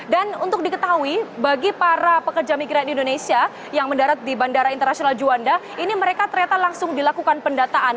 dan untuk diketahui bagi para pekerja migran indonesia yang mendarat di bandara internasional juanda ini mereka ternyata langsung dilakukan pendataan